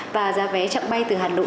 và giá vé chặng bay từ hà nội